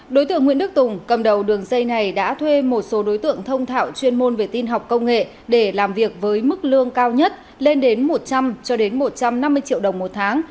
đối tượng nguyễn đức tùng cầm đầu đường dây này đã thuê một số đối tượng thông thảo chuyên môn về tin học công nghệ để làm việc với mức lương cao nhất lên đến một trăm linh cho đến một trăm năm mươi triệu đồng một tháng